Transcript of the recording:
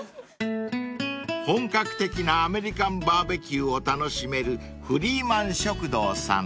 ［本格的なアメリカンバーベキューを楽しめるフリーマン食堂さん］